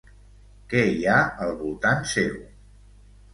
Què hi ha al voltant seu?